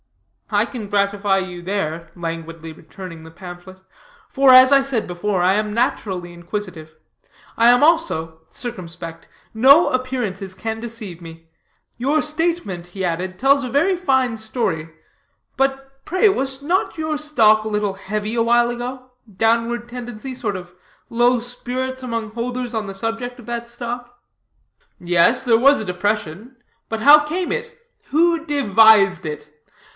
"I can gratify you there," languidly returning the pamphlet; "for, as I said before, I am naturally inquisitive; I am also circumspect. No appearances can deceive me. Your statement," he added "tells a very fine story; but pray, was not your stock a little heavy awhile ago? downward tendency? Sort of low spirits among holders on the subject of that stock?" "Yes, there was a depression. But how came it? who devised it?